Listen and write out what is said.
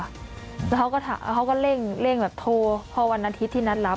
แล้วเขาก็เร่งแบบโทรพอวันอาทิตย์ที่นัดรับ